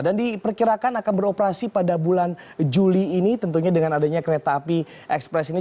dan diperkirakan akan beroperasi pada bulan juli ini tentunya dengan adanya kereta api ekspres ini